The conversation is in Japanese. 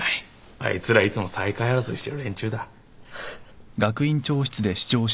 あいつらいつも最下位争いしてる連中だ。